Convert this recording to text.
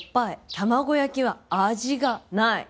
卵焼きは味がない。